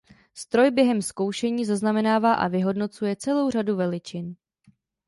Stroj během zkoušení zaznamenává a vyhodnocuje celou řadu veličin.